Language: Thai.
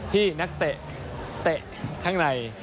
นักเตะเตะข้างใน